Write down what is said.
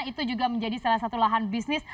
itu juga menjadi salah satu lahan bisnis